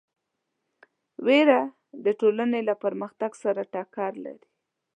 وېره د ټولنې له پرمختګ سره ټکر لري.